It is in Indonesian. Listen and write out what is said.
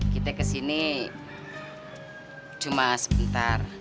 kita ke sini cuma sebentar